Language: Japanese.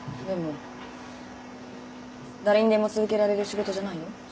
でも誰にでも続けられる仕事じゃないよ。